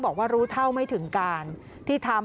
บอกว่ารู้เท่าไม่ถึงการที่ทำ